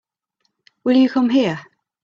Will you come here?